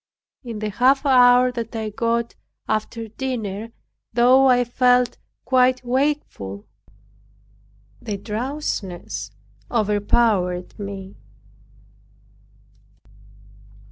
In the half hour that I got after dinner, though I felt quite wakeful, the drowsiness overpowered me.